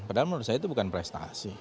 padahal menurut saya itu bukan prestasi